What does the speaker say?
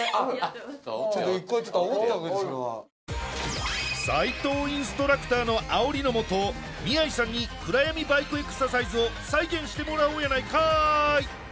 ちょっと１回斉藤インストラクターのあおりのもと宮居さんに暗闇バイクエクササイズを再現してもらおうやないかい！